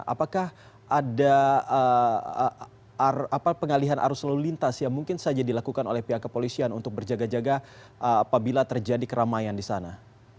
apakah ada pengalihan arus lalu lintas yang mungkin saja dilakukan oleh pihak kepolisian untuk berjaga jaga apabila terjadi keramaian di sana